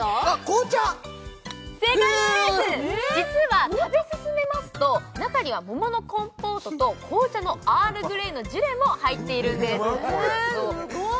実は食べ進めますと中には桃のコンポートと紅茶のアールグレイのジュレも入っているんですうまっ